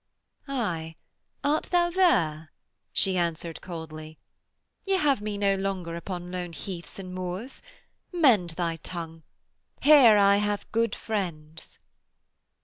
'Aye art thou there?' she answered coldly. 'Ye have me no longer upon lone heaths and moors. Mend thy tongue. Here I have good friends.'